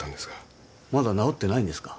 まだ治ってないんですか？